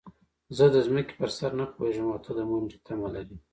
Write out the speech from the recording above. زه د ځمکې پر سر نه پوهېږم او ته د منډې تمه لرې.